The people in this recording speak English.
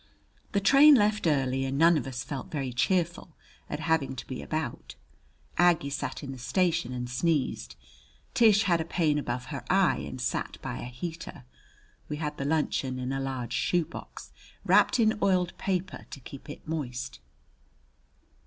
The train left early, and none of us felt very cheerful at having to be about. Aggie sat in the station and sneezed; Tish had a pain above her eye and sat by a heater. We had the luncheon in a large shoebox, wrapped in oiled paper to keep it moist.